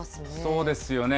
そうですよね。